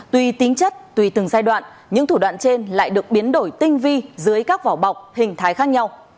tùy tính chất tùy từng giai đoạn những thủ đoạn trên lại được biến đổi tinh vi dưới các vỏ bọc hình thái khác nhau